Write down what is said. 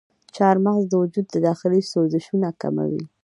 چارمغز د وجود داخلي سوزشونه کموي.